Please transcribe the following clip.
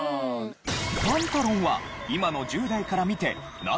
パンタロンは今の１０代から見てナシ？